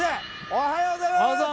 おはようございます！